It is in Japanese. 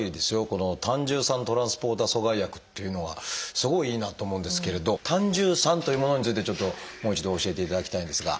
この胆汁酸トランスポーター阻害薬っていうのはすごいいいなと思うんですけれど「胆汁酸」というものについてちょっともう一度教えていただきたいんですが。